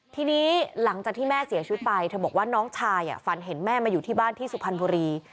ทีนี้หลังจากที่แม่เสียชีวิตไปเธอบอกว่าน้องชายฝันเห็นแม่มาอยู่ที่บ้านที่สุพรรณบุรี